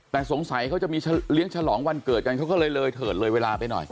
แต่สงสัยเขาจะมีเลี้ยงฉลองวันเกิดกันเขาก็เลยเลยเถิดเลยเวลาไปหน่อย